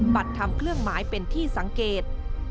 บัตรทำเครื่องหมายเป็นที่สังเกต